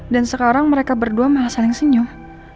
dan sekarang mereka berdua malah saling senyum